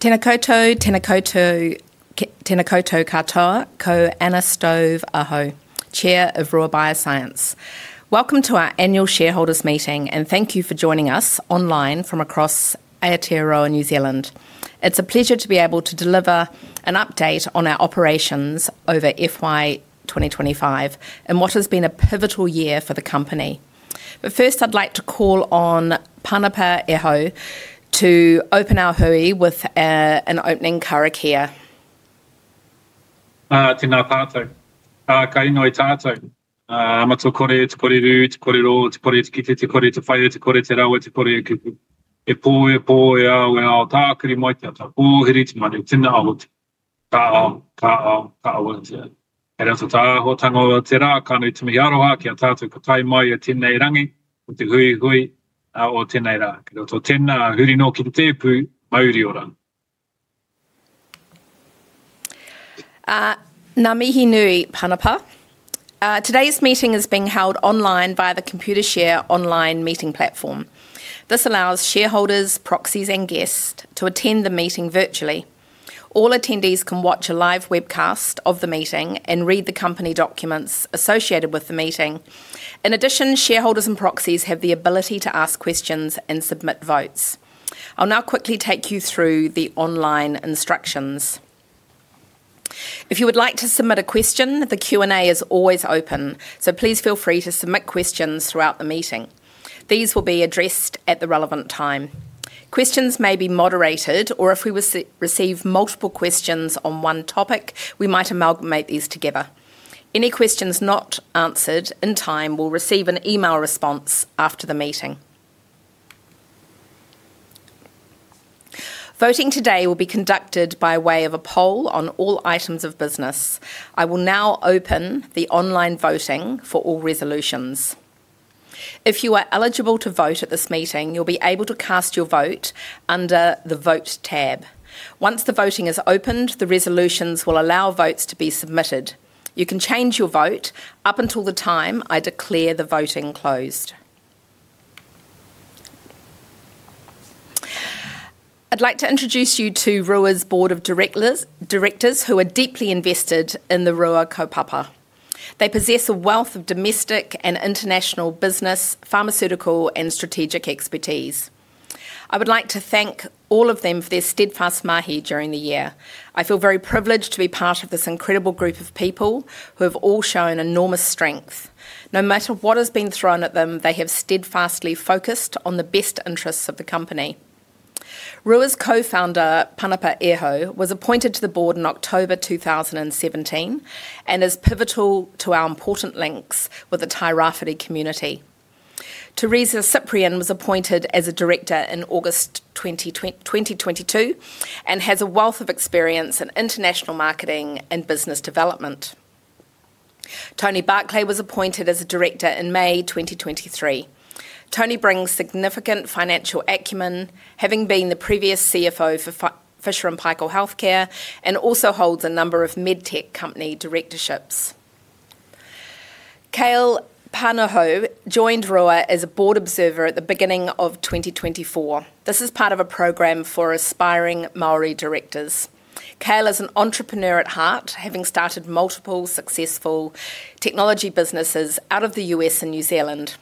Te Nakoto, Te Nakoto, Te Nakotokata, kō Anna Stove, aho. Chair of Rua Bioscience. Welcome to our annual shareholders' meeting, and thank you for joining us online from across Aotearoa, New Zealand. It's a pleasure to be able to deliver an update on our operations over FY 25 and what has been a pivotal year for the company. First, I'd like to call on Pānapa Ehau to open our hui with an opening karakia. Now, to close our hui with a quick introduction, I'd like to call on Pānapa Ehau to call on the company's shareholders, proxies, and guests to attend the meeting virtually. All attendees can watch a live webcast of the meeting and read the company documents associated with the meeting. In addition, shareholders and proxies have the ability to ask questions and submit votes. I'll now quickly take you through the online instructions. If you would like to submit a question, the Q&A is always open, so please feel free to submit questions throughout the meeting. These will be addressed at the relevant time. Questions may be moderated, or if we receive multiple questions on one topic, we might amalgamate these together. Any questions not answered in time will receive an email response after the meeting. Voting today will be conducted by way of a poll on all items of business. I will now open the online voting for all resolutions. If you are eligible to vote at this meeting, you'll be able to cast your vote under the vote tab. Once the voting is opened, the resolutions will allow votes to be submitted. You can change your vote up until the time I declare the voting closed. I'd like to introduce you to Rua's board of directors who are deeply invested in the Rua kaupapa. They possess a wealth of domestic and international business, pharmaceutical, and strategic expertise. I would like to thank all of them for their steadfast mahi during the year. I feel very privileged to be part of this incredible group of people who have all shown enormous strength. No matter what has been thrown at them, they have steadfastly focused on the best interests of the company. Rua's co-founder, Pānapa Ehau, was appointed to the board in October 2017 and is pivotal to our important links with the Tairāwhiti community. Teresa Ciprian was appointed as a director in August 2022 and has a wealth of experience in international marketing and business development. Tony Barclay was appointed as a director in May 2023. Tony brings significant financial acumen, having been the previous CFO for Fisher & Paykel Healthcare, and also holds a number of medtech company directorships. Kale Panaho joined Rua as a Board Observer at the beginning of 2024. This is part of a program for aspiring Māori directors. Kale is an entrepreneur at heart, having started multiple successful technology businesses out of the U.S. and New Zealand.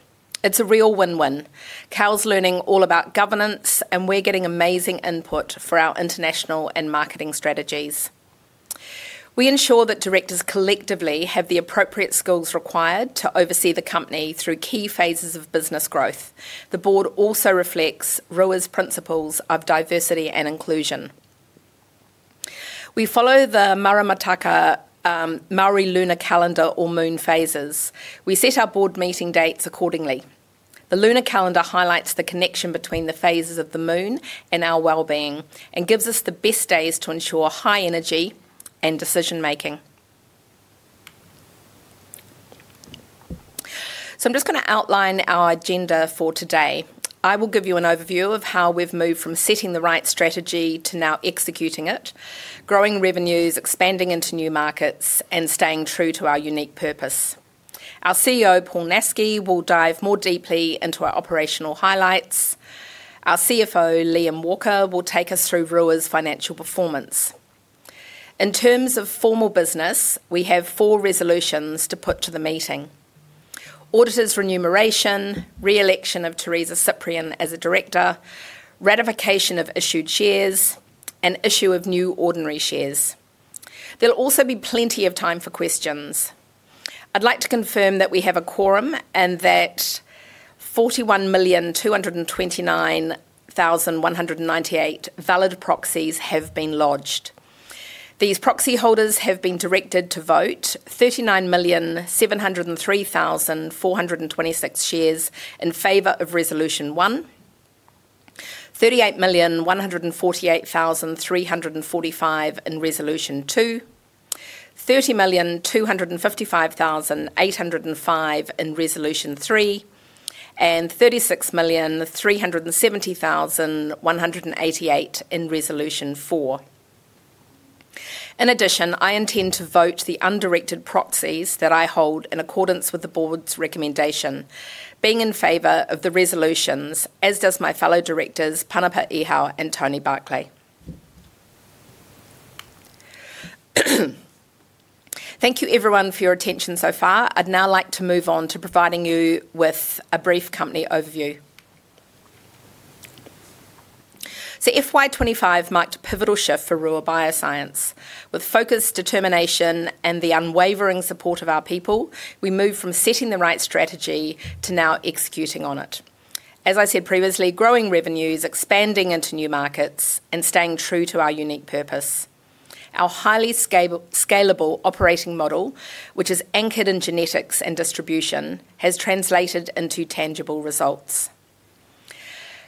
It's a real win-win. Kale's learning all about governance, and we're getting amazing input for our international and marketing strategies. We ensure that directors collectively have the appropriate skills required to oversee the company through key phases of business growth. The Board also reflects Rua's principles of diversity and inclusion. We follow the Maramataka lunar calendar or moon phases. We set our Board meeting dates accordingly. The lunar calendar highlights the connection between the phases of the moon and our well-being and gives us the best days to ensure high energy and decision-making. I'm just going to outline our agenda for today. I will give you an overview of how we've moved from setting the right strategy to now executing it, growing revenues, expanding into new markets, and staying true to our unique purpose. Our CEO, Paul Naske, will dive more deeply into our operational highlights. Our CFO, Liam Walker, will take us through Rua's financial performance. In terms of formal business, we have four resolutions to put to the meeting: auditor's remuneration, re-election of Teresa Ciprian as a Director, ratification of issued shares, and issue of new ordinary shares. There'll also be plenty of time for questions. I'd like to confirm that we have a quorum and that 41,229,198 valid proxies have been lodged. These proxy holders have been directed to vote: 39,703,426 shares in favor of Resolution 1, 38,148,345 in Resolution 2, 30,255,805 in Resolution 3, and 36,370,188 in Resolution 4. In addition, I intend to vote the undirected proxies that I hold in accordance with the Board's recommendation, being in favor of the resolutions, as do my fellow directors, Pānapa Ehau and Tony Barclay. Thank you, everyone, for your attention so far. I'd now like to move on to providing you with a brief company overview. FY 25 marked a pivotal shift for Rua Bioscience. With focus, determination, and the unwavering support of our people, we moved from setting the right strategy to now executing on it. As I said previously, growing revenues, expanding into new markets, and staying true to our unique purpose. Our highly scalable operating model, which is anchored in genetics and distribution, has translated into tangible results.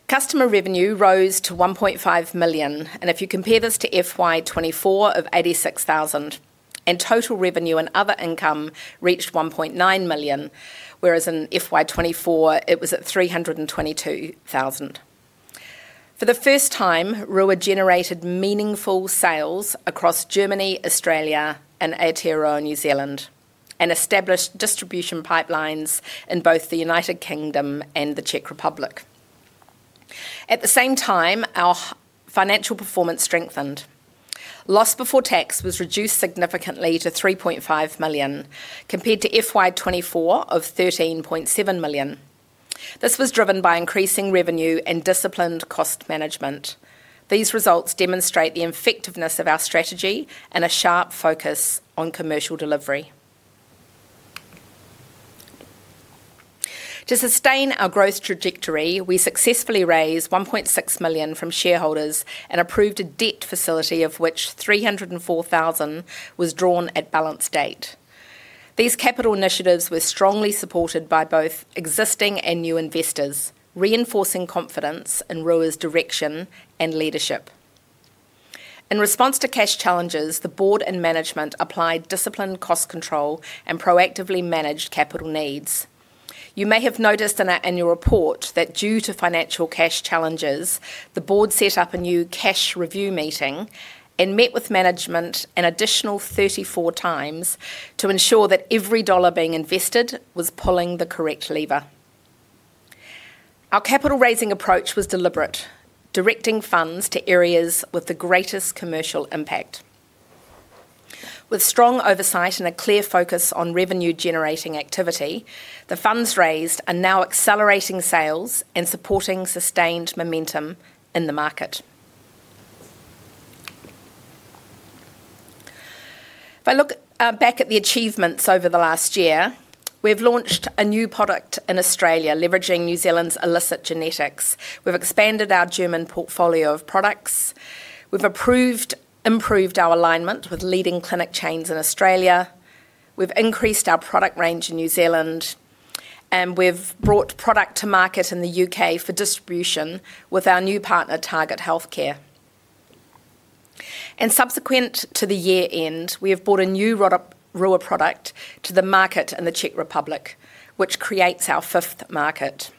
Customer revenue rose to 1.5 million, and if you compare this to FY24 of 86,000, and total revenue and other income reached 1.9 million, whereas in FY 24 it was at 322,000. For the first time, Rua generated meaningful sales across Germany, Australia, and Aotearoa, New Zealand, and established distribution pipelines in both the United Kingdom and the Czech Republic. At the same time, our financial performance strengthened. Loss before tax was reduced significantly to 3.5 million, compared to FY 24 of 13.7 million. This was driven by increasing revenue and disciplined cost management. These results demonstrate the effectiveness of our strategy and a sharp focus on commercial delivery. To sustain our growth trajectory, we successfully raised 1.6 million from shareholders and approved a debt facility of which 304,000 was drawn at balance date. These capital initiatives were strongly supported by both existing and new investors, reinforcing confidence in Rua's direction and leadership. In response to cash challenges, the board and management applied disciplined cost control and proactively managed capital needs. You may have noticed in our annual report that due to financial cash challenges, the board set up a new cash review meeting and met with management an additional 34x to ensure that every dollar being invested was pulling the correct lever. Our capital raising approach was deliberate, directing funds to areas with the greatest commercial impact. With strong oversight and a clear focus on revenue-generating activity, the funds raised are now accelerating sales and supporting sustained momentum in the market. If I look back at the achievements over the last year, we've launched a new product in Australia, leveraging New Zealand's elicit genetics. We've expanded our German portfolio of products. We've improved our alignment with leading clinic chains in Australia. We've increased our product range in New Zealand, and we've brought product to market in the U.K. for distribution with our new partner, Target Healthcare. Subsequent to the year-end, we have brought a new Rua product to the market in the Czech Republic, which creates our fifth market.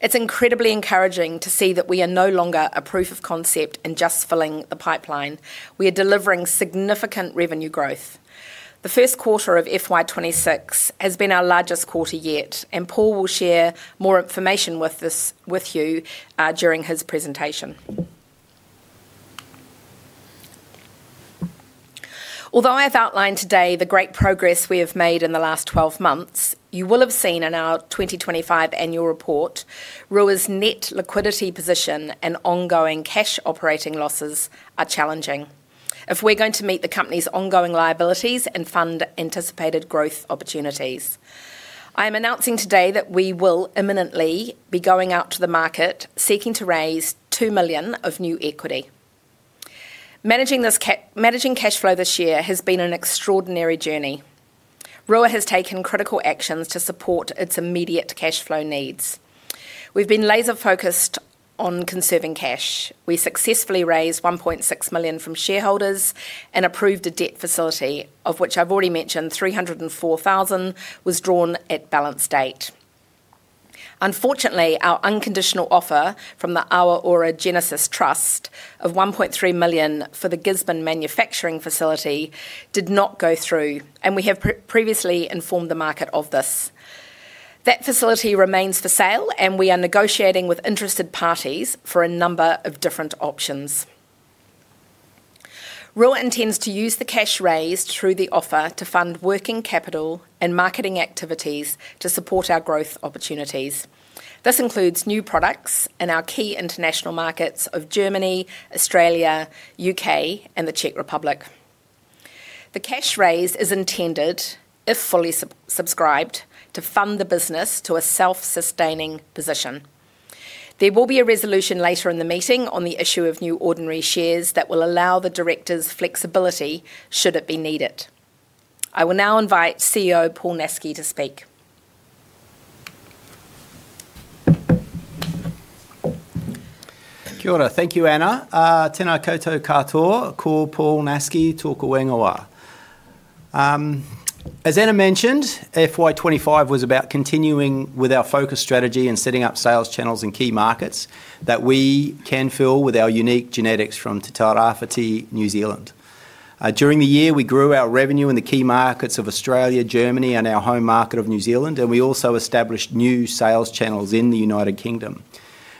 It's incredibly encouraging to see that we are no longer a proof of concept and just filling the pipeline. We are delivering significant revenue growth. The first quarter of FY 24 has been our largest quarter yet, and Paul will share more information with you during his presentation. Although I have outlined today the great progress we have made in the last 12 months, you will have seen in our 2024 annual report, Rua's net liquidity position and ongoing cash operating losses are challenging. If we're going to meet the company's ongoing liabilities and fund anticipated growth opportunities, I am announcing today that we will imminently be going out to the market, seeking to raise 2 million of new equity. Managing cash flow this year has been an extraordinary journey. Rua has taken critical actions to support its immediate cash flow needs. We've been laser-focused on conserving cash. We successfully raised 1.6 million from shareholders and approved a debt facility, of which I've already mentioned 304,000 was drawn at balance date. Unfortunately, our unconditional offer from the Awaora Genesis Trust of 1.3 million for the Gisborne manufacturing facility did not go through, and we have previously informed the market of this. That facility remains for sale, and we are negotiating with interested parties for a number of different options. Rua intends to use the cash raised through the offer to fund working capital and marketing activities to support our growth opportunities. This includes new products in our key international markets of Germany, Australia, United Kingdom, and the Czech Republic. The cash raise is intended, if fully subscribed, to fund the business to a self-sustaining position. There will be a resolution later in the meeting on the issue of new ordinary shares that will allow the directors flexibility should it be needed. I will now invite CEO Paul Naske to speak. Thank you, Anna. Tēnā koutou katoa, Paul Naske, I'll talk away now. As Anna mentioned, FY 25 was about continuing with our focused strategy and setting up sales channels in key markets that we can fill with our unique genetics from Te Tairāwhiti, New Zealand. During the year, we grew our revenue in the key markets of Australia, Germany, and our home market of New Zealand, and we also established new sales channels in the United Kingdom.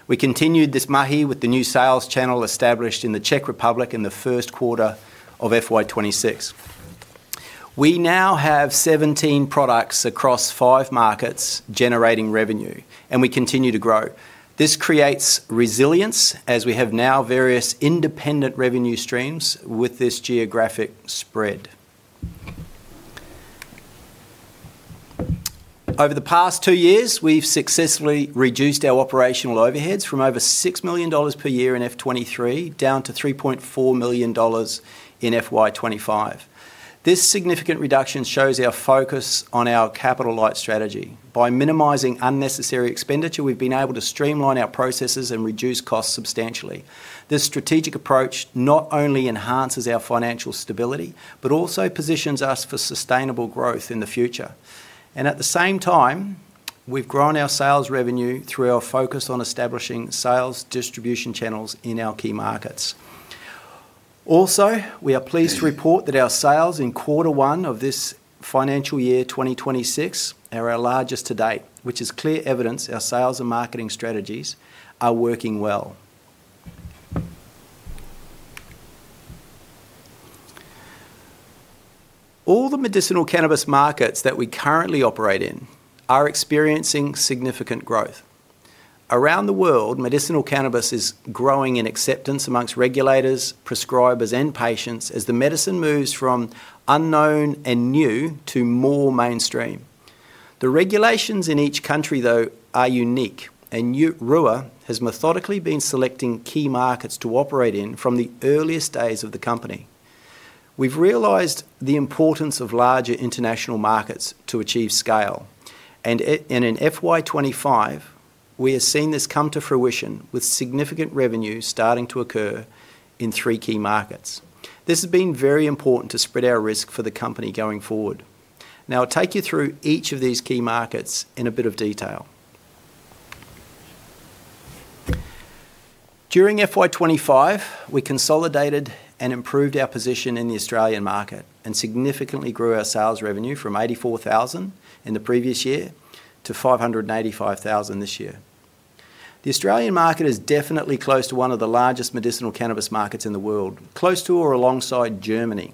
We continued this mahi with the new sales channel established in the Czech Republic in the first quarter of FY 26. We now have 17 products across five markets generating revenue, and we continue to grow. This creates resilience, as we have now various independent revenue streams with this geographic spread. Over the past two years, we've successfully reduced our operational overheads from over NZD 6 million per year in FY 23 down to NZD 3.4 million in FY 25. This significant reduction shows our focus on our capital light strategy. By minimizing unnecessary expenditure, we've been able to streamline our processes and reduce costs substantially. This strategic approach not only enhances our financial stability, but also positions us for sustainable growth in the future. At the same time, we've grown our sales revenue through our focus on establishing sales distribution channels in our key markets. We are pleased to report that our sales in quarter one of this financial year, 2026, are our largest to date, which is clear evidence our sales and marketing strategies are working well. All the medicinal cannabis markets that we currently operate in are experiencing significant growth. Around the world, medicinal cannabis is growing in acceptance amongst regulators, prescribers, and patients as the medicine moves from unknown and new to more mainstream. The regulations in each country, though, are unique, and Rua has methodically been selecting key markets to operate in from the earliest days of the company. We've realized the importance of larger international markets to achieve scale, and in FY 25, we have seen this come to fruition with significant revenue starting to occur in three key markets. This has been very important to spread our risk for the company going forward. Now I'll take you through each of these key markets in a bit of detail. During FY 25, we consolidated and improved our position in the Australian market and significantly grew our sales revenue from 84,000 in the previous year to 585,000 this year. The Australian market is definitely close to one of the largest medicinal cannabis markets in the world, close to or alongside Germany.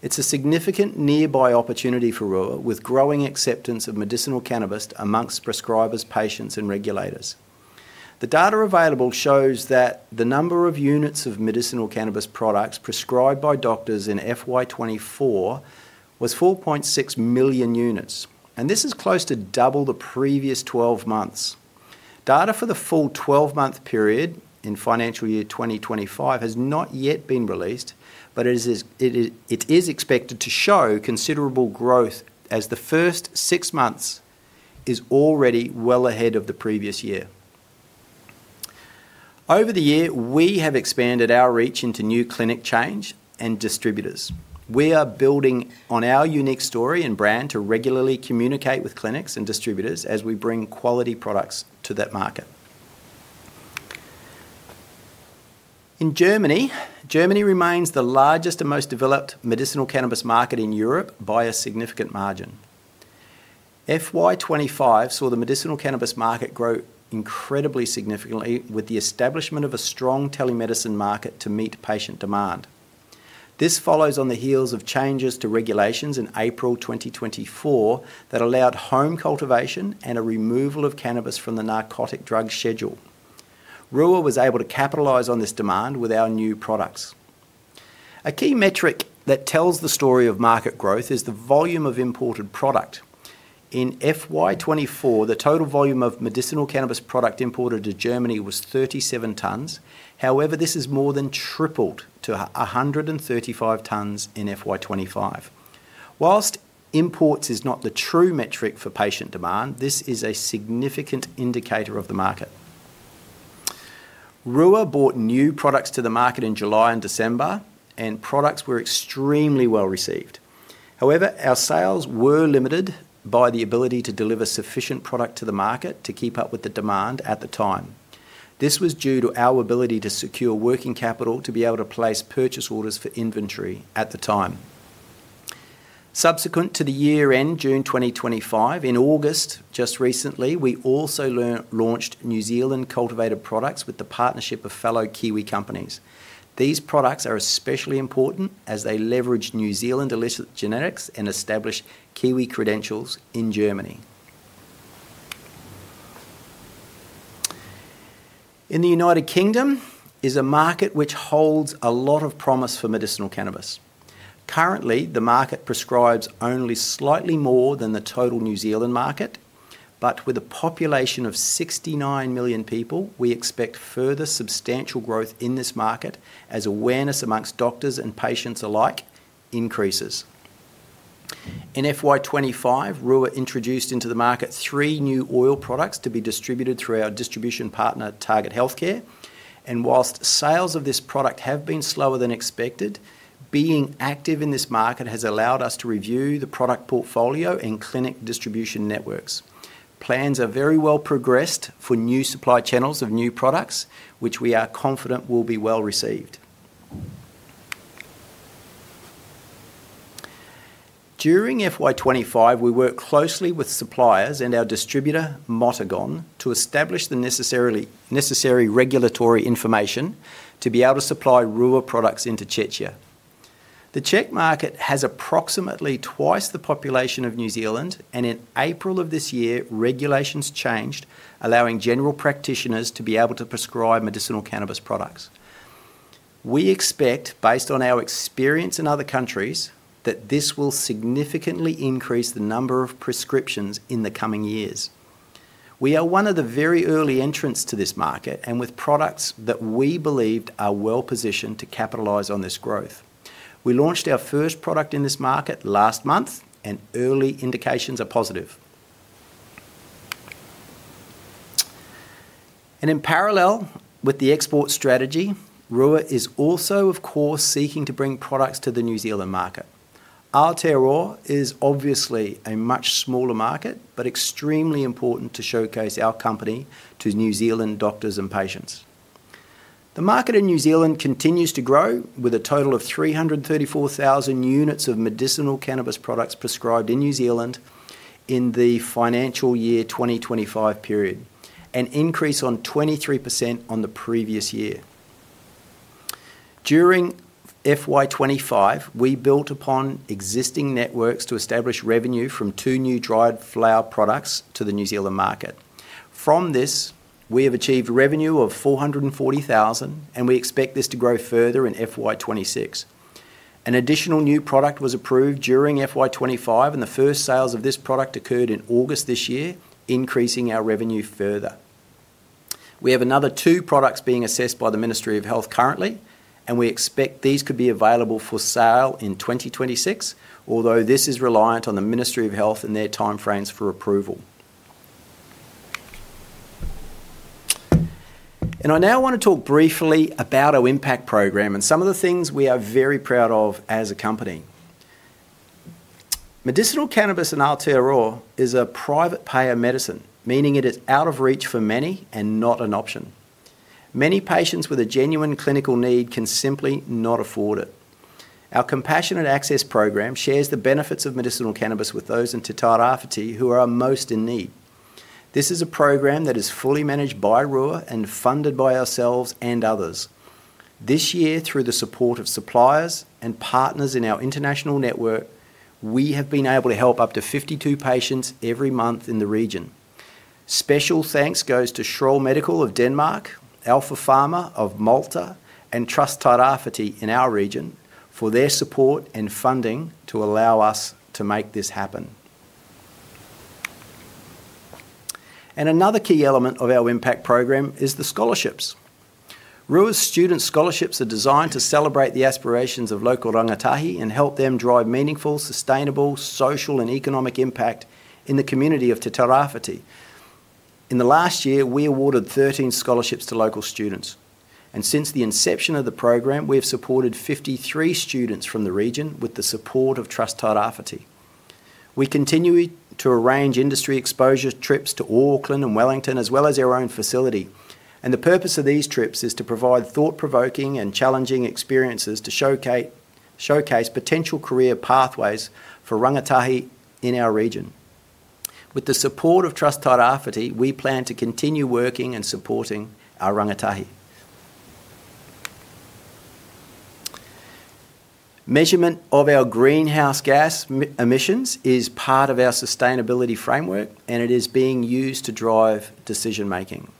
It's a significant nearby opportunity for Rua, with growing acceptance of medicinal cannabis amongst prescribers, patients, and regulators. The data available shows that the number of units of medicinal cannabis products prescribed by doctors in FY 24 was 4.6 million units, and this is close to double the previous 12 months. Data for the full 12-month period in financial year 2025 has not yet been released, but it is expected to show considerable growth as the first six months are already well ahead of the previous year. Over the year, we have expanded our reach into new clinic chains and distributors. We are building on our unique story and brand to regularly communicate with clinics and distributors as we bring quality products to that market. In Germany, Germany remains the largest and most developed medicinal cannabis market in Europe by a significant margin. FY 25 saw the medicinal cannabis market grow incredibly significantly with the establishment of a strong telemedicine market to meet patient demand. This follows on the heels of changes to regulations in April 2024 that allowed home cultivation and a removal of cannabis from the narcotic drug schedule. Rua was able to capitalize on this demand with our new products. A key metric that tells the story of market growth is the volume of imported product. In FY 24, the total volume of medicinal cannabis product imported to Germany was 37 tons. However, this has more than tripled to 135 tons in FY 25. Whilst imports are not the true metric for patient demand, this is a significant indicator of the market. Rua brought new products to the market in July and December, and products were extremely well received. However, our sales were limited by the ability to deliver sufficient product to the market to keep up with the demand at the time. This was due to our ability to secure working capital to be able to place purchase orders for inventory at the time. Subsequent to the year-end, June 2025, in August, just recently, we also launched New Zealand cultivated products with the partnership of fellow kiwi companies. These products are especially important as they leverage New Zealand elicit genetics and establish kiwi credentials in Germany. In the United Kingdom, it is a market which holds a lot of promise for medicinal cannabis. Currently, the market prescribes only slightly more than the total New Zealand market, but with a population of 69 million people, we expect further substantial growth in this market as awareness amongst doctors and patients alike increases. In FY 25, Rua introduced into the market three new oil products to be distributed through our distribution partner, Target Healthcare, and whilst sales of this product have been slower than expected, being active in this market has allowed us to review the product portfolio and clinic distribution networks. Plans are very well progressed for new supply channels of new products, which we are confident will be well received. During FY 25, we worked closely with suppliers and our distributor, Motogon, to establish the necessary regulatory information to be able to supply Rua products into Czechia. The Czech market has approximately twice the population of New Zealand, and in April of this year, regulations changed, allowing general practitioners to be able to prescribe medicinal cannabis products. We expect, based on our experience in other countries, that this will significantly increase the number of prescriptions in the coming years. We are one of the very early entrants to this market, with products that we believe are well positioned to capitalize on this growth. We launched our first product in this market last month, and early indications are positive. In parallel with the export strategy, Rua is also, of course, seeking to bring products to the New Zealand market. Aotearoa is obviously a much smaller market, but extremely important to showcase our company to New Zealand doctors and patients. The market in New Zealand continues to grow, with a total of 334,000 units of medicinal cannabis products prescribed in New Zealand in the financial year 2025 period, an increase of 23% on the previous year. During FY 25, we built upon existing networks to establish revenue from two new dried flower products to the New Zealand market. From this, we have achieved revenue of 440,000, and we expect this to grow further in FY 26. An additional new product was approved during FY 25 and the first sales of this product occurred in August this year, increasing our revenue further. We have another two products being assessed by the Ministry of Health currently, and we expect these could be available for sale in 2026, although this is reliant on the Ministry of Health and their timeframes for approval. I now want to talk briefly about our impact program and some of the things we are very proud of as a company. Medicinal cannabis in Aotearoa is a private payer medicine, meaning it is out of reach for many and not an option. Many patients with a genuine clinical need can simply not afford it. Our compassionate access program shares the benefits of medicinal cannabis with those in Te Tairāwhiti who are most in need. This is a program that is fully managed by Rua and funded by ourselves and others. This year, through the support of suppliers and partners in our international network, we have been able to help up to 52 patients every month in the region. Special thanks go to Schroll Medical of Denmark, Alpha Pharma of Malta, and Trust Tairāwhiti in our region for their support and funding to allow us to make this happen. Another key element of our impact program is the scholarships. Rua's student scholarships are designed to celebrate the aspirations of local rangatahi and help them drive meaningful, sustainable, social, and economic impact in the community of Te Tairāwhiti. In the last year, we awarded 13 scholarships to local students, and since the inception of the program, we have supported 53 students from the region with the support of Trust Tairāwhiti. We continue to arrange industry exposure trips to Auckland and Wellington, as well as our own facility, and the purpose of these trips is to provide thought-provoking and challenging experiences to showcase potential career pathways for rangatahi in our region. With the support of Trust Tairāwhiti, we plan to continue working and supporting our rangatahi. Measurement of our greenhouse gas emissions is part of our sustainability framework, and it is being used to drive decision-making.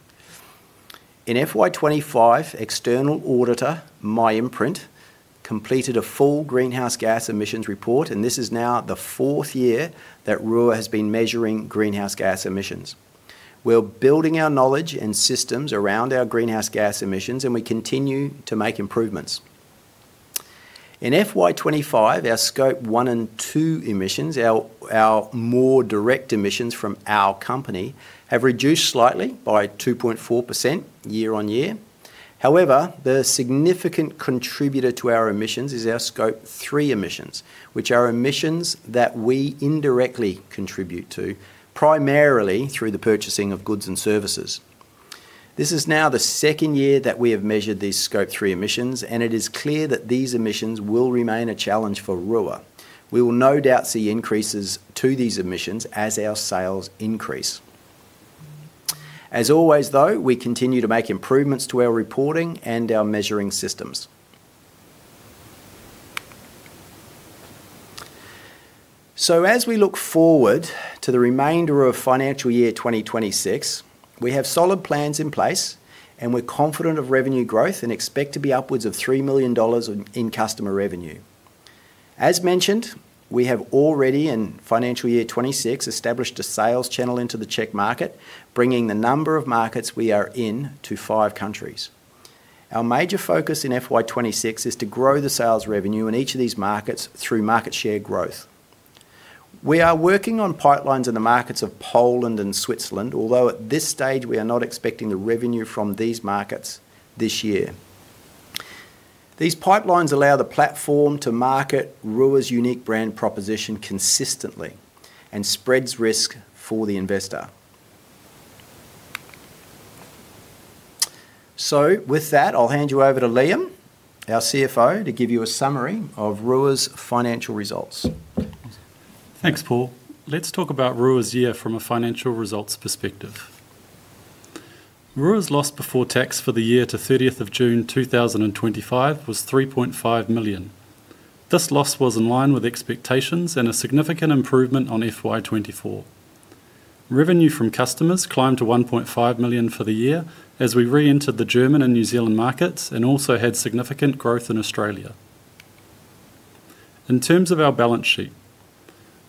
In FY 25, external auditor MyImprint completed a full greenhouse gas emissions report, and this is now the fourth year that Rua has been measuring greenhouse gas emissions. We're building our knowledge and systems around our greenhouse gas emissions, and we continue to make improvements. In FY 25, our scope one and two emissions, our more direct emissions from our company, have reduced slightly by 2.4% year-on-year. However, the significant contributor to our emissions is our scope three emissions, which are emissions that we indirectly contribute to, primarily through the purchasing of goods and services. This is now the second year that we have measured these scope three emissions, and it is clear that these emissions will remain a challenge for Rua. We will no doubt see increases to these emissions as our sales increase. As always, though, we continue to make improvements to our reporting and our measuring systems. As we look forward to the remainder of financial year 2026, we have solid plans in place, and we're confident of revenue growth and expect to be upwards of 3 million dollars in customer revenue. As mentioned, we have already, in financial year 2026, established a sales channel into the Czech market, bringing the number of markets we are in to five countries. Our major focus in FY 26 is to grow the sales revenue in each of these markets through market share growth. We are working on pipelines in the markets of Poland and Switzerland, although at this stage, we are not expecting the revenue from these markets this year. These pipelines allow the platform to market Rua's unique brand proposition consistently and spread risk for the investor. I'll hand you over to Liam, our CFO, to give you a summary of Rua's financial results. Thanks, Paul. Let's talk about Rua's year from a financial results perspective. Rua's loss before tax for the year to June 30th, 2025 was 3.5 million. This loss was in line with expectations and a significant improvement on FY24. Revenue from customers climbed to 1.5 million for the year as we re-entered the German and New Zealand markets and also had significant growth in Australia. In terms of our balance sheet,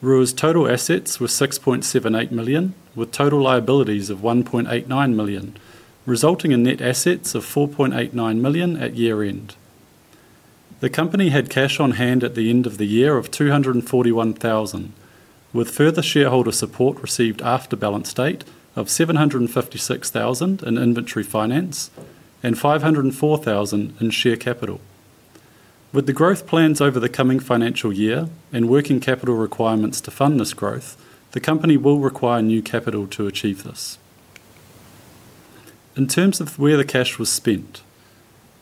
Rua's total assets were 6.78 million, with total liabilities of 1.89 million, resulting in net assets of 4.89 million at year end. The company had cash on hand at the end of the year of 241,000, with further shareholder support received after balance date of 756,000 in inventory finance and 504,000 in share capital. With the growth plans over the coming financial year and working capital requirements to fund this growth, the company will require new capital to achieve this. In terms of where the cash was spent,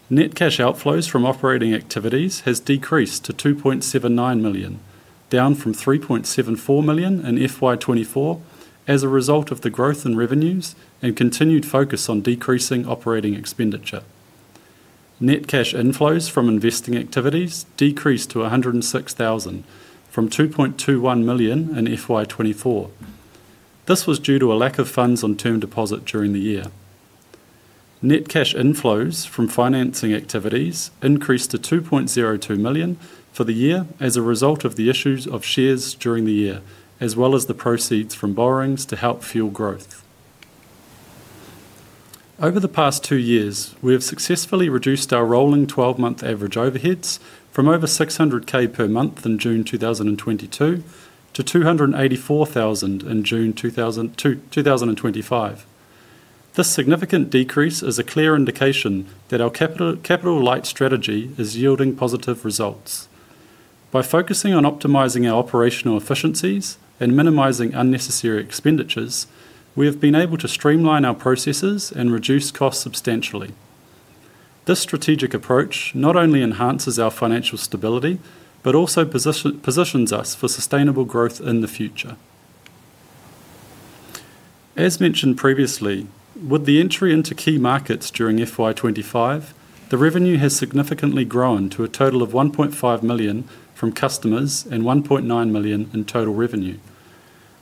net cash outflows from operating activities have decreased to 2.79 million, down from 3.74 million in FY 24 as a result of the growth in revenues and continued focus on decreasing operating expenditure. Net cash inflows from investing activities decreased to 106,000 from 2.21 million in FY 24. This was due to a lack of funds on term deposit during the year. Net cash inflows from financing activities increased to 2.02 million for the year as a result of the issues of shares during the year, as well as the proceeds from borrowings to help fuel growth. Over the past two years, we have successfully reduced our rolling 12-month average overheads from over 600,000 per month in June 2022 to 284,000 in June 2025. This significant decrease is a clear indication that our capital light strategy is yielding positive results. By focusing on optimizing our operational efficiencies and minimizing unnecessary expenditures, we have been able to streamline our processes and reduce costs substantially. This strategic approach not only enhances our financial stability but also positions us for sustainable growth in the future. As mentioned previously, with the entry into key markets during FY 25, the revenue has significantly grown to a total of 1.5 million from customers and 1.9 million in total revenue.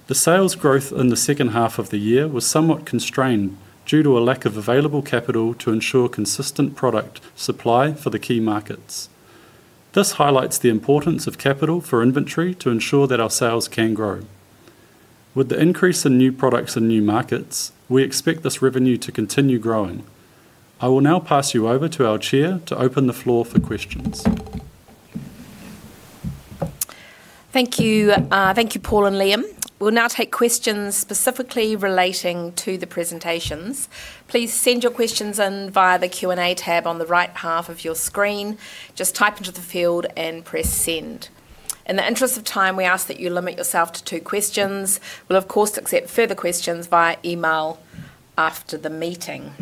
The sales growth in the second half of the year was somewhat constrained due to a lack of available capital to ensure consistent product supply for the key markets. This highlights the importance of capital for inventory to ensure that our sales can grow. With the increase in new products in new markets, we expect this revenue to continue growing. I will now pass you over to our Chair to open the floor for questions. Thank you, thank you Paul and Liam. We'll now take questions specifically relating to the presentations. Please send your questions in via the Q&A tab on the right half of your screen. Just type into the field and press send. In the interest of time, we ask that you limit yourself to two questions. We'll of course accept further questions via email after the meeting.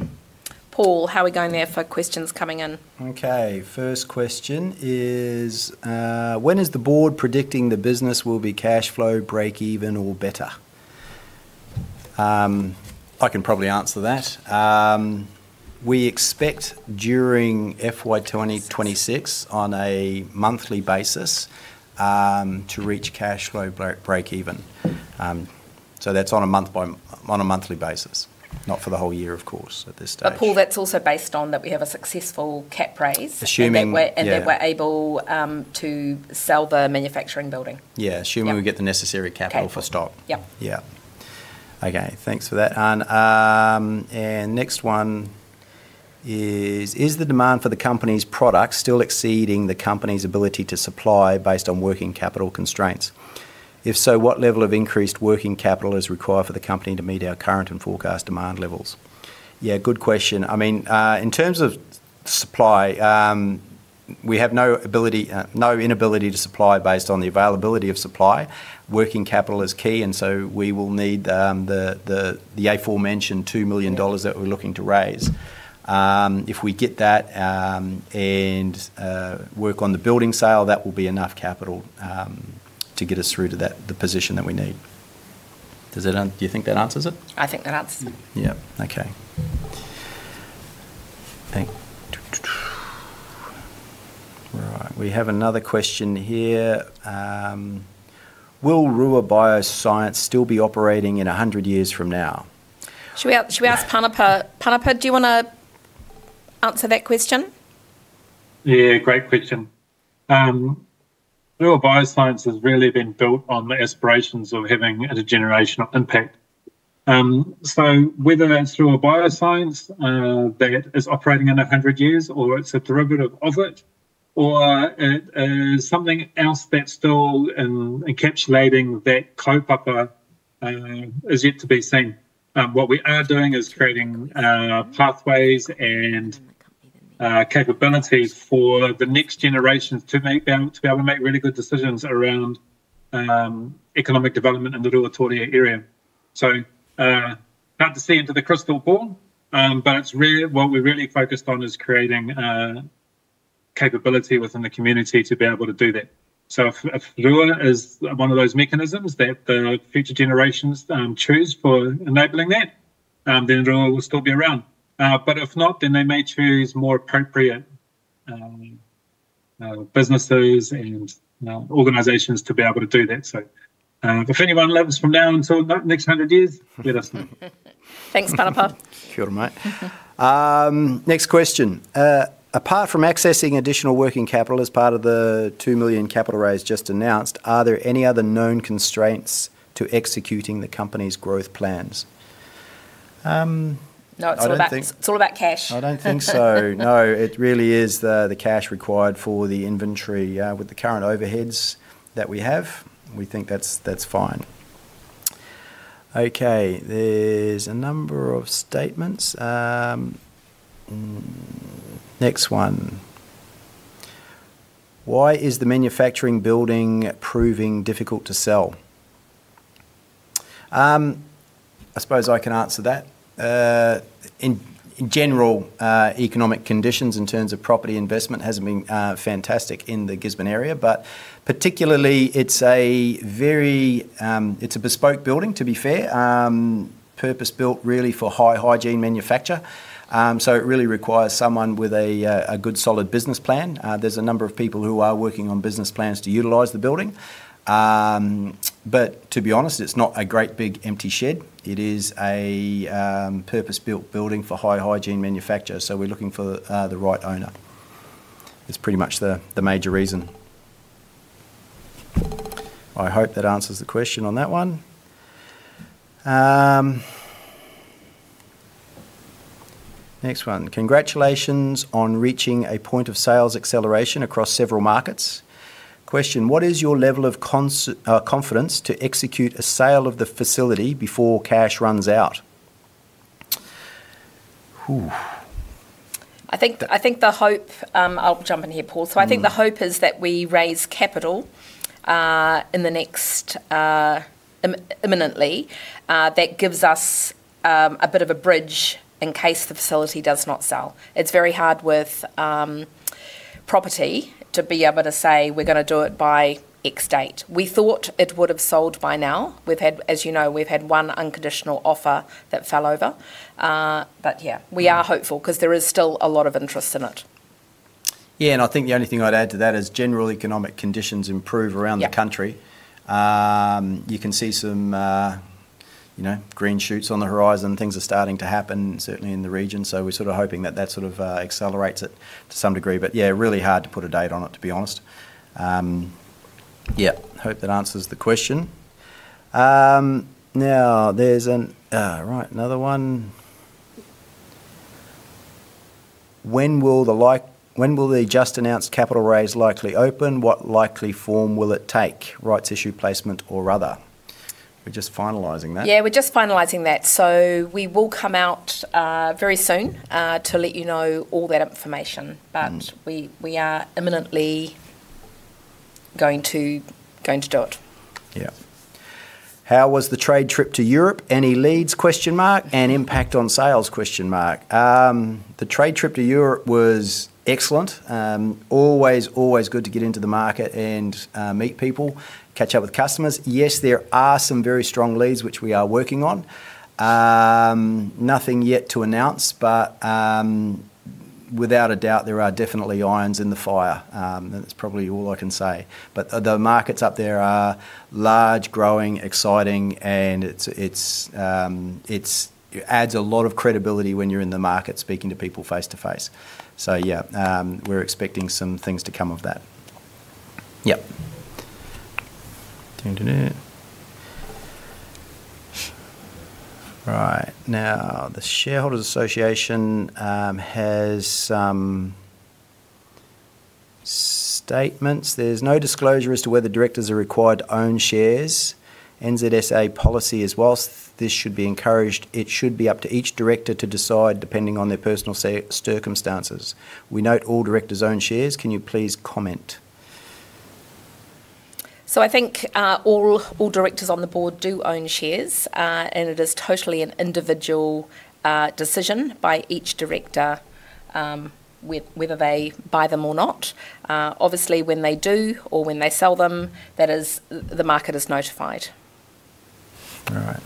Paul, how are we going there for questions coming in? Okay, first question is, when is the board predicting the business will be cash flow break even or better? I can probably answer that. We expect during FY 26 on a monthly basis to reach cash flow break even. That's on a monthly basis, not for the whole year, of course, at this stage. Paul, that's also based on that we have a successful equity raise. Assuming. We're able to sell the manufacturing facility. Yeah, assuming we get the necessary capital for stock. Yep. Okay, thanks for that, Anna. Next one is, is the demand for the company's products still exceeding the company's ability to supply based on working capital constraints? If so, what level of increased working capital is required for the company to meet our current and forecast demand levels? Good question. In terms of supply, we have no inability to supply based on the availability of supply. Working capital is key, and we will need the aforementioned 2 million dollars that we're looking to raise. If we get that and work on the building sale, that will be enough capital to get us through to the position that we need. Do you think that answers it? I think that answers it. Okay. All right, we have another question here. Will Rua Bioscience still be operating in 100 years from now? Should we ask Pānapa, do you want to answer that question? Yeah, great question. Rua Bioscience has really been built on the aspirations of having a generational impact. Whether that's Rua Bioscience that is operating in 100 years, or it's a derivative of it, or it is something else that's still encapsulating that kaupapa, is yet to be seen. What we are doing is creating pathways and capabilities for the next generations to be able to make really good decisions around economic development in the Rua Tore area. It's hard to see into the crystal ball, but what we're really focused on is creating capability within the community to be able to do that. If Rua is one of those mechanisms that the future generations choose for enabling that, then Rua will still be around. If not, they may choose more appropriate businesses and organizations to be able to do that. If anyone loves from now until the next 100 years, let us know. Thanks, Pānapa. Next question. Apart from accessing additional working capital as part of the 2 million capital raise just announced, are there any other known constraints to executing the company's growth plans? No, it's all about cash. I don't think so. No, it really is the cash required for the inventory with the current overheads that we have. We think that's fine. Okay, there's a number of statements. Next one. Why is the manufacturing building proving difficult to sell? I suppose I can answer that. In general, economic conditions in terms of property investment haven't been fantastic in the Gisborne area, but particularly it's a very, it's a bespoke building, to be fair, purpose built really for high hygiene manufacture. It really requires someone with a good solid business plan. There's a number of people who are working on business plans to utilize the building. To be honest, it's not a great big empty shed. It is a purpose built building for high hygiene manufacturers. We're looking for the right owner. It's pretty much the major reason. I hope that answers the question on that one. Next one. Congratulations on reaching a point of sales acceleration across several markets. Question. What is your level of confidence to execute a sale of the facility before cash runs out? I think the hope, I'll jump in here, Paul. I think the hope is that we raise capital imminently. That gives us a bit of a bridge in case the facility does not sell. It's very hard with property to be able to say we're going to do it by X date. We thought it would have sold by now. We've had, as you know, we've had one unconditional offer that fell over. We are hopeful because there is still a lot of interest in it. Yeah, I think the only thing I'd add to that is general economic conditions improve around the country. You can see some, you know, green shoots on the horizon. Things are starting to happen, certainly in the region. We're sort of hoping that that sort of accelerates it to some degree. Really hard to put a date on it, to be honest. Hope that answers the question. Now there's another one. When will the just announced capital raise likely open? What likely form will it take? Rights issue, placement, or other? We're just finalizing that. We're just finalizing that. We will come out very soon to let you know all that information. We are imminently going to do it. How was the trade trip to Europe? Any leads? And impact on sales? The trade trip to Europe was excellent. Always good to get into the market and meet people, catch up with customers. Yes, there are some very strong leads, which we are working on. Nothing yet to announce, but without a doubt, there are definitely irons in the fire. That's probably all I can say. The markets up there are large, growing, exciting, and it adds a lot of credibility when you're in the market speaking to people face to face. We're expecting some things to come of that. All right. Now, the Shareholders' Association has some statements. There's no disclosure as to whether directors are required to own shares. NZSA policy is whilst this should be encouraged, it should be up to each director to decide depending on their personal circumstances. We note all directors own shares. Can you please comment? I think all directors on the board do own shares, and it is totally an individual decision by each director whether they buy them or not. Obviously, when they do or when they sell them, the market is notified. All right.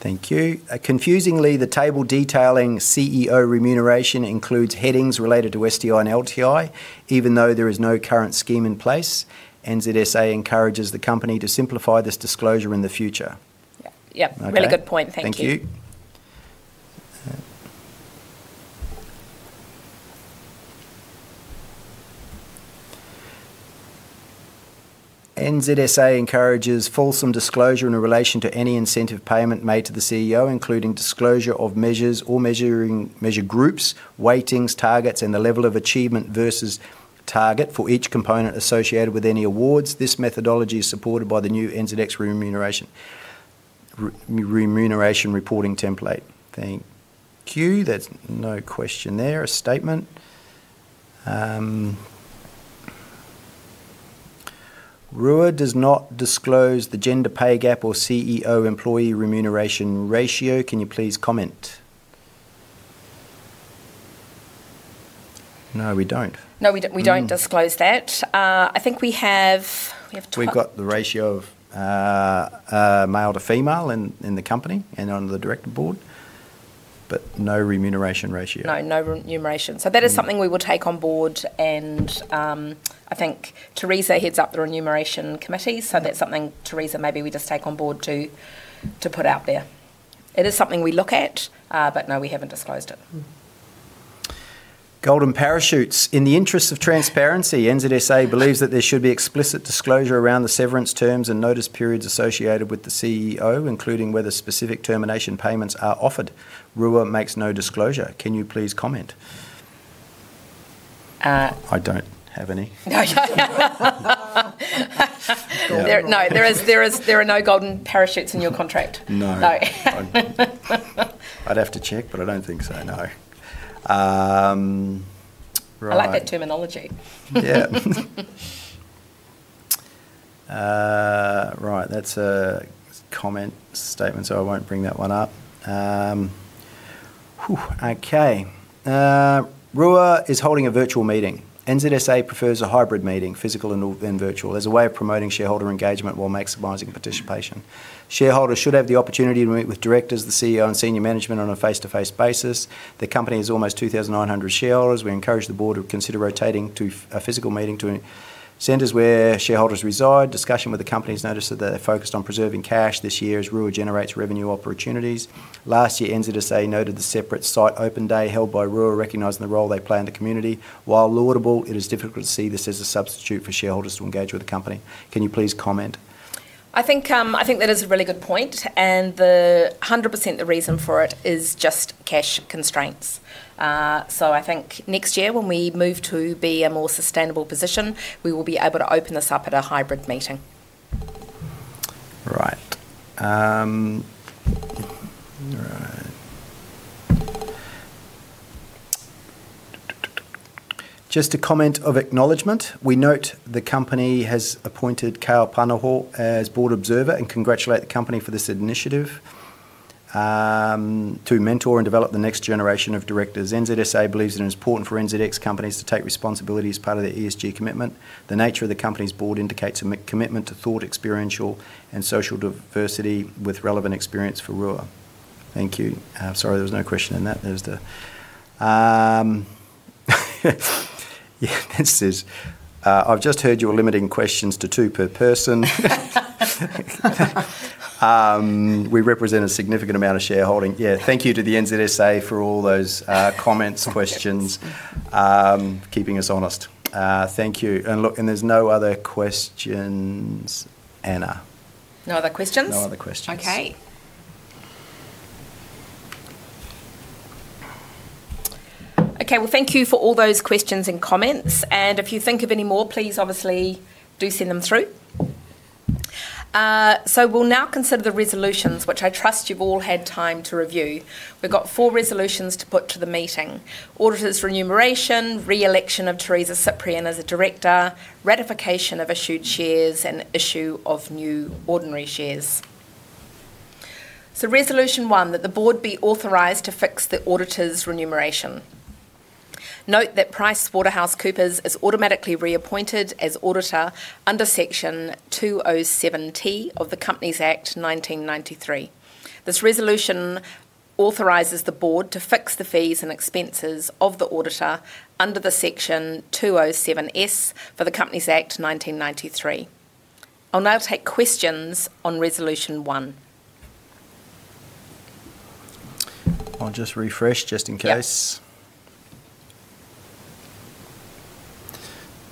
Thank you. Confusingly, the table detailing CEO remuneration includes headings related to SDI and LTI, even though there is no current scheme in place. NZSA encourages the company to simplify this disclosure in the future. Yeah, really good point. Thank you. NZSA encourages fulsome disclosure in relation to any incentive payment made to the CEO, including disclosure of measures or measure groups, weightings, targets, and the level of achievement versus target for each component associated with any awards. This methodology is supported by the new NZSA remuneration reporting template. Thank you. That's no question there. A statement. Rua does not disclose the gender pay gap or CEO employee remuneration ratio. Can you please comment? No, we don't. No, we don't disclose that. I think we have. We've got the ratio of male to female in the company and on the Director board, but no remuneration ratio. No, no remuneration. That is something we will take on board, and I think Teresa heads up the Remuneration Committee. That is something, Teresa, maybe we just take on board to put out there. It is something we look at, but no, we haven't disclosed it. Golden parachutes. In the interest of transparency, NZSA believes that there should be explicit disclosure around the severance terms and notice periods associated with the CEO, including whether specific termination payments are offered. Rua makes no disclosure. Can you please comment? I don't have any. No, there are no golden parachutes in your contract. No, I'd have to check, but I don't think so. No. I like that terminology. Yeah. Right, that's a comment statement, so I won't bring that one up. Okay. Rua is holding a virtual meeting. NZSA prefers a hybrid meeting, physical and virtual, as a way of promoting shareholder engagement while maximizing participation. Shareholders should have the opportunity to meet with directors, the CEO, and senior management on a face-to-face basis. The company has almost 2,900 shareholders. We encourage the board to consider rotating to a physical meeting to centers where shareholders reside. Discussion with the company has noticed that they're focused on preserving cash this year as Rua generates revenue opportunities. Last year, NZSA noted the separate site open day held by Rua, recognizing the role they play in the community. While laudable, it is difficult to see this as a substitute for shareholders to engage with the company. Can you please comment? I think that is a really good point, and 100% the reason for it is just cash constraints. I think next year, when we move to be in a more sustainable position, we will be able to open this up at a hybrid meeting. Right. Just a comment of acknowledgement. We note the company has appointed Kale Panoho as Board Observer and congratulate the company for this initiative to mentor and develop the next generation of directors. NZSA believes it is important for NZX companies to take responsibility as part of their ESG commitment. The nature of the company's board indicates a commitment to thought, experiential, and social diversity with relevant experience for Rua. Thank you. Sorry, there was no question in that. I've just heard you're limiting questions to two per person. We represent a significant amount of shareholding. Thank you to the NZSA for all those comments, questions, keeping us honest. Thank you. Look, there's no other questions, Anna. No other questions? No other questions. Thank you for all those questions and comments. If you think of any more, please obviously do send them through. We'll now consider the resolutions, which I trust you've all had time to review. We've got four resolutions to put to the meeting: auditor's remuneration, reelection of Teresa Ciprian as a Director, ratification of issued shares, and issue of new ordinary shares. Resolution 1, that the board be authorized to fix the auditor's remuneration. Note that PricewaterhouseCoopers is automatically reappointed as auditor under Section 207(t) of the Companies Act 1993. This resolution authorizes the board to fix the fees and expenses of the auditor under Section 207(s) of the Companies Act 1993. I'll now take questions on Resolution 1. I'll just refresh, just in case,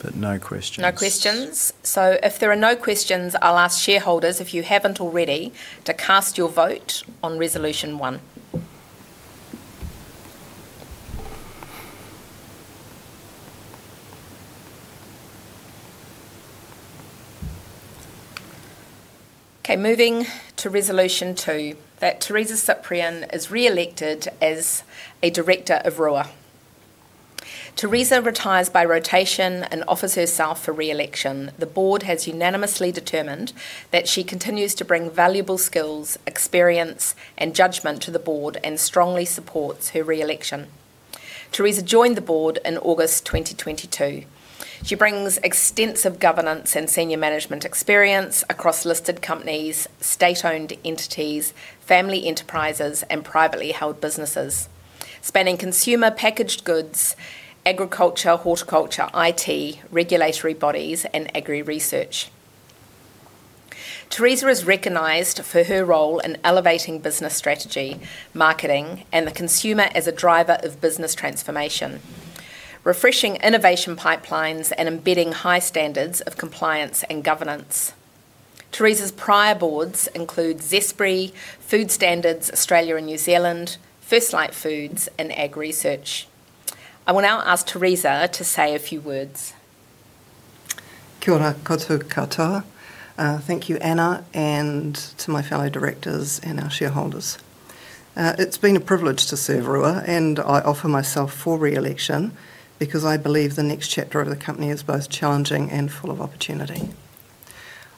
but no questions. No questions. If there are no questions, I'll ask shareholders, if you haven't already, to cast your vote on Resolution 1. Moving to Resolution 2, that Teresa Ciprian is reelected as a Director of Rua Bioscience. Teresa retires by rotation and offers herself for reelection. The Board has unanimously determined that she continues to bring valuable skills, experience, and judgment to the Board and strongly supports her reelection. Teresa joined the Board in August 2022. She brings extensive governance and senior management experience across listed companies, state-owned entities, family enterprises, and privately held businesses, spanning consumer packaged goods, agriculture, horticulture, IT, regulatory bodies, and agri-research. Teresa is recognized for her role in elevating business strategy, marketing, and the consumer as a driver of business transformation, refreshing innovation pipelines, and embedding high standards of compliance and governance. Teresa's prior boards include Zespri, Food Standards Australia and New Zealand, First Light Foods, and AgResearch. I will now ask Teresa to say a few words. Thank you, Anna, and to my fellow Directors and our shareholders. It's been a privilege to serve Rua, and I offer myself for reelection because I believe the next chapter of the company is both challenging and full of opportunity.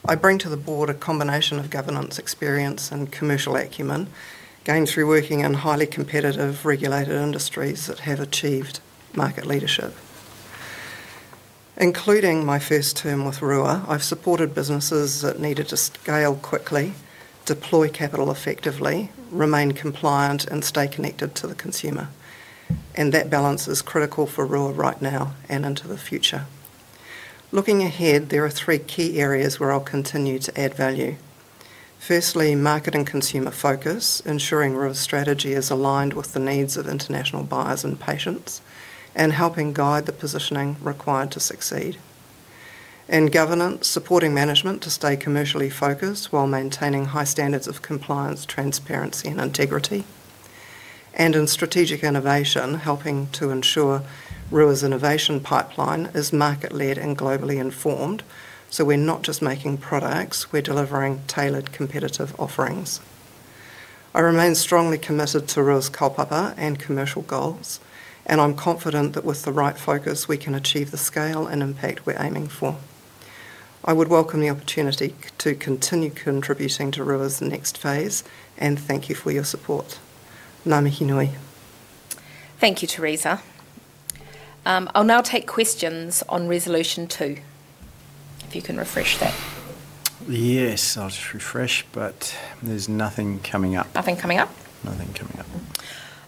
I bring to the Board a combination of governance, experience, and commercial acumen, gained through working in highly competitive regulated industries that have achieved market leadership. Including my first term with Rua, I've supported businesses that needed to scale quickly, deploy capital effectively, remain compliant, and stay connected to the consumer. That balance is critical for Rua right now and into the future. Looking ahead, there are three key areas where I'll continue to add value. Firstly, market and consumer focus, ensuring Rua's strategy is aligned with the needs of international buyers and patients, and helping guide the positioning required to succeed. In governance, supporting management to stay commercially focused while maintaining high standards of compliance, transparency, and integrity. In strategic innovation, helping to ensure Rua's innovation pipeline is market-led and globally informed, so we're not just making products; we're delivering tailored competitive offerings. I remain strongly committed to Rua's kaupapa and commercial goals, and I'm confident that with the right focus, we can achieve the scale and impact we're aiming for. I would welcome the opportunity to continue contributing to Rua's next phase, and thank you for your support. Nama hinui. Thank you, Teresa. I'll now take questions on Resolution 2, if you can refresh that. Yes, I'll refresh, but there's nothing coming up. Nothing coming up? Nothing coming up.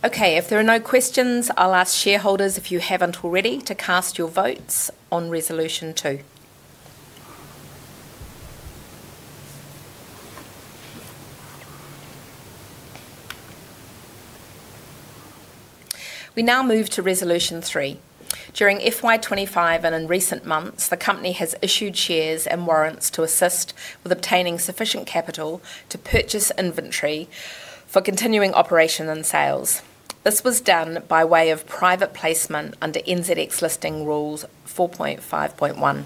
Okay, if there are no questions, I'll ask shareholders, if you haven't already, to cast your votes on Resolution 2. We now move to Resolution 3. During FY 25 and in recent months, the company has issued shares and warrants to assist with obtaining sufficient capital to purchase inventory for continuing operation and sales. This was done by way of private placement under NZX listing rules 4.5.1.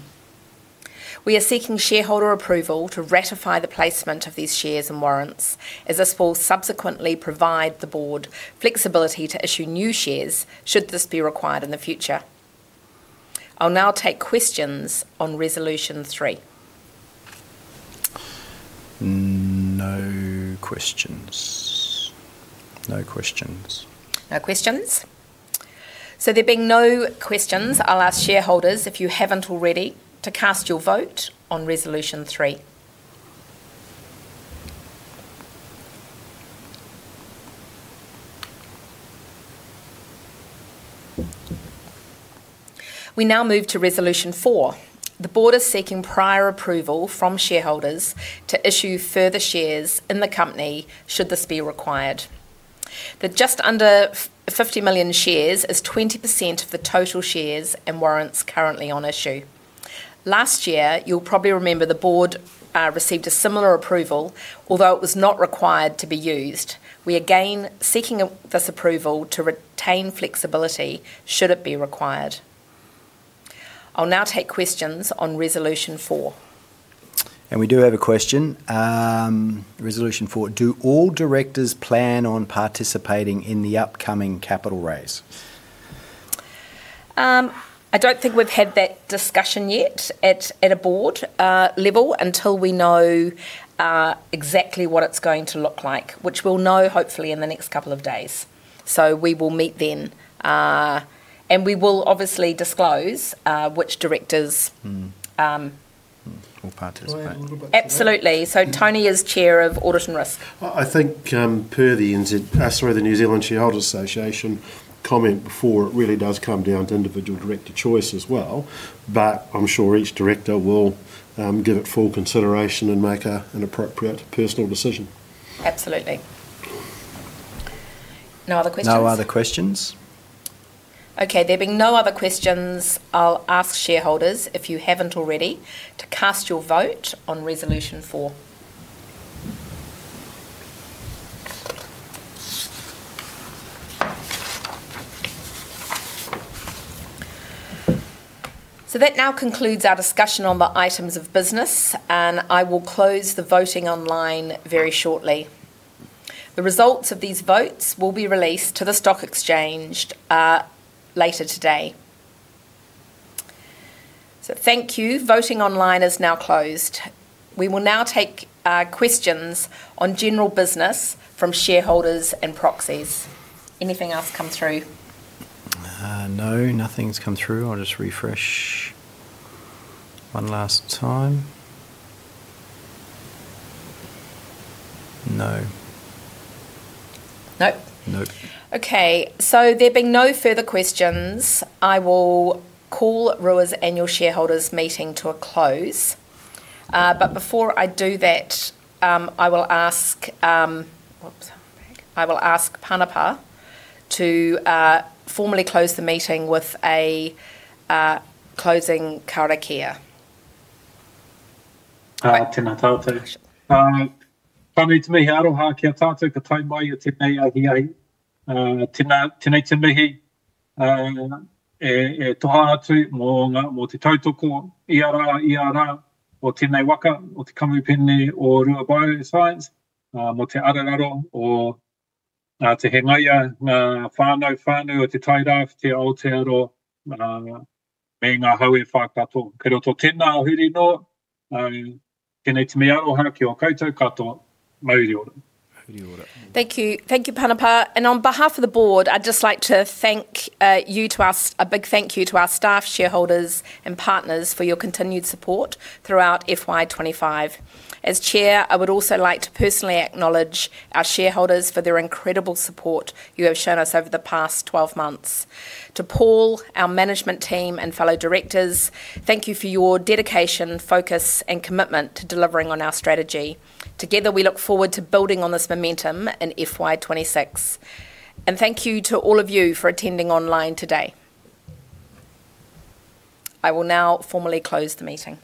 We are seeking shareholder approval to ratify the placement of these shares and warrants, as this will subsequently provide the board flexibility to issue new shares should this be required in the future. I'll now take questions on Resolution 3. No questions. No questions. There being no questions, I'll ask shareholders, if you haven't already, to cast your vote on Resolution 3. We now move to Resolution 4. The board is seeking prior approval from shareholders to issue further shares in the company should this be required. The just under 50 million shares is 20% of the total shares and warrants currently on issue. Last year, you'll probably remember the board received a similar approval, although it was not required to be used. We are again seeking this approval to retain flexibility should it be required. I'll now take questions on Resolution 4. We do have a question. Resolution 4, do all directors plan on participating in the upcoming equity raise? I don't think we've had that discussion yet at a board level until we know exactly what it's going to look like, which we'll know hopefully in the next couple of days. We will meet then, and we will obviously disclose which directors. Absolutely. Tony is Chair of Audit and Risk. I think per the New Zealand Shareholders' Association comment before, it really does come down to individual director choice as well, but I'm sure each director will give it full consideration and make an appropriate personal decision. Absolutely. No other questions. No other questions. Okay, there being no other questions, I'll ask shareholders, if you haven't already, to cast your vote on Resolution 4. That now concludes our discussion on the items of business, and I will close the voting online very shortly. The results of these votes will be released to the stock exchange later today. Thank you. Voting online is now closed. We will now take questions on general business from shareholders and proxies. Anything else come through? No, nothing's come through. I'll just refresh one last time. No. Nope. Nope. Okay, so there being no further questions, I will call Rua Bioscience's Annual Shareholders Meeting to a close. Before I do that, I will ask Pānapa to formally close the meeting with a closing. To Paul, our management team, and fellow directors, thank you for your dedication, focus, and commitment to delivering on our strategy. Together, we look forward to building on this momentum in FY 26. Thank you to all of you for attending online today. I will now formally close the meeting.